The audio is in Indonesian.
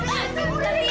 jangan mau pergi dewi